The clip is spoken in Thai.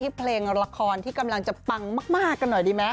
เพลงละครที่กำลังจะปังมากกันหน่อยดีไหม